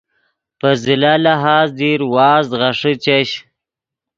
پے زلہ لہاز دیر وازد غیݰے چش